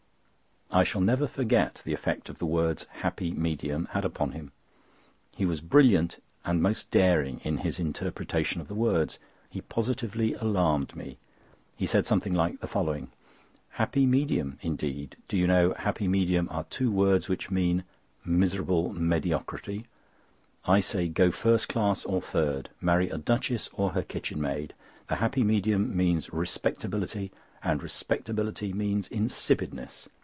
I shall never forget the effect the words, "happy medium," had upon him. He was brilliant and most daring in his interpretation of the words. He positively alarmed me. He said something like the following: "Happy medium, indeed. Do you know 'happy medium' are two words which mean 'miserable mediocrity'? I say, go first class or third; marry a duchess or her kitchenmaid. The happy medium means respectability, and respectability means insipidness.